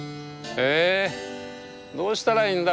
えどうしたらいいんだ？